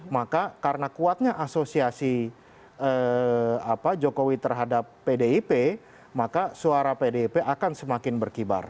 maka karena kuatnya asosiasi jokowi terhadap pdip maka suara pdip akan semakin berkibar